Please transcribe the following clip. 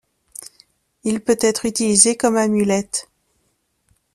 Il peut-être utilisé comme amulette.